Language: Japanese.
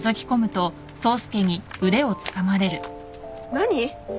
何？